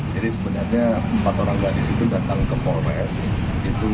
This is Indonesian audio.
jadi sebenarnya empat orang gadis itu datang ke poloresi sika